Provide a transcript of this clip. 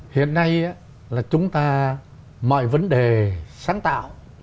hiện nay là chúng ta mọi vấn đề sáng tạo